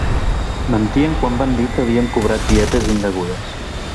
Mentien quan van dir que havíem cobrat dietes indegudes.